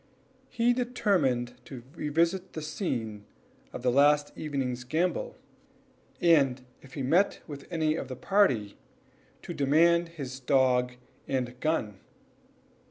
He determined to revisit the scene of the last evening's gambol, and if he met with any of the party, to demand his dog and gun.